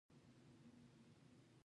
پکورې د خوږو یادونو ژبه ده